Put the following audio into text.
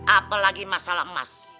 apalagi masalah emas